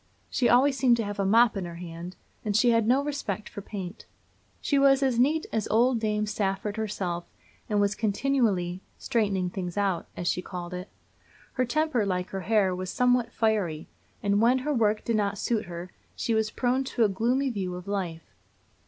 She always seemed to have a mop in her hand, and she had no respect for paint. She was as neat as old Dame Safford herself, and was continually "straightening things out," as she called it. Her temper, like her hair, was somewhat fiery; and when her work did not suit her, she was prone to a gloomy view of life.